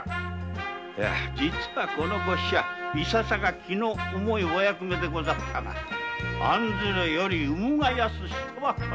実はいささか気の重いお役目でござったが案ずるより生むが易しとはこのこと。